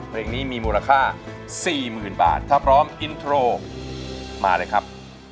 เพลงนี้มีมูลค่า๔๐๐๐บาทถ้าพร้อมอินโทรมาเลยครับ